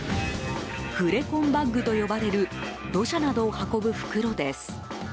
フレコンバッグと呼ばれる土砂などを運ぶ袋です。